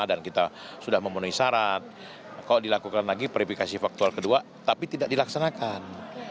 dan kita sudah memenuhi syarat kok dilakukan lagi verifikasi faktual kedua tapi tidak dilaksanakan